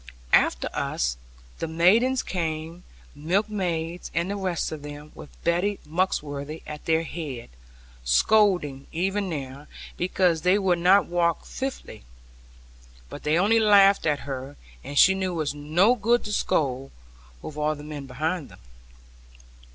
After us, the maidens came, milkmaids and the rest of them, with Betty Muxworthy at their head, scolding even now, because they would not walk fitly. But they only laughed at her; and she knew it was no good to scold, with all the men behind them.